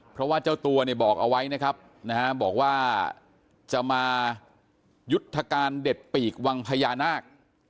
เพราะว่าเจ้าตัวเนี่ยบอกเอาไว้นะครับบอกว่าจะมายุทธการเด็ดปีกวังพญานาค